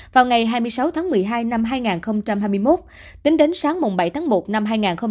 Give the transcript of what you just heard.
vào ngày hai mươi sáu tháng một mươi hai năm hai nghìn hai mươi một tính đến sáng bảy tháng một năm hai nghìn hai mươi ba